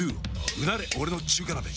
うなれ俺の中華鍋！